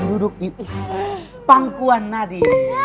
dan duduk di pangkuan nadi